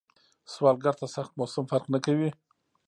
سوالګر ته سخت موسم فرق نه کوي